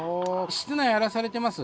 室内荒らされてます？